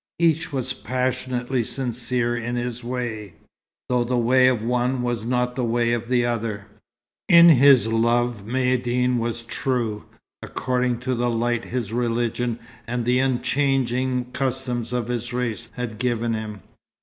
Each was passionately sincere in his way, though the way of one was not the way of the other. In his love Maïeddine was true, according to the light his religion and the unchanging customs of his race had given him.